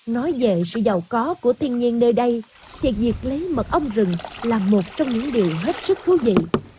nói về sự giàu có của thiên nhiên nơi đây thì việc lấy mật ong rừng là một trong những điều hết sức thú vị